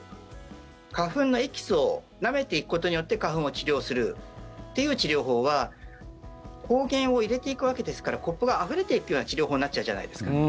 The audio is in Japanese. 花粉のエキスをなめていくことによって花粉を治療するっていう治療法は抗原を入れていくわけですからコップがあふれていくような治療法になっちゃうじゃないですか。